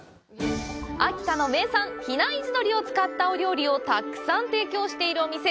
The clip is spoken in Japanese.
秋田の名産、比内地鶏を使ったお料理をたくさん提供しているお店。